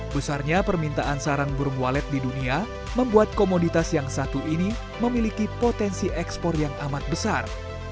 besarnya permintaan sarang burung walet di dunia membuat komoditas yang satu ini memiliki potensi ekspor yang amat besar